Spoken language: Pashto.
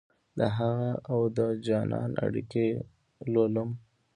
دهغه اودجانان اړیکې لولم